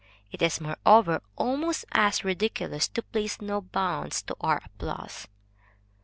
It is, moreover, almost as ridiculous to place no bounds to our applause.